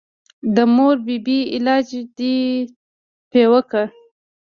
د مور بي بي علاج دې پې وکه.